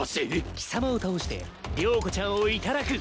貴様を倒して了子ちゃんをいただく。